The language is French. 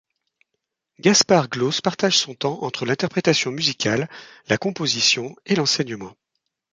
Gaspard Glaus partage son temps entre l'interprétation musicale, la composition et l'enseignement.